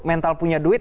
mental punya duit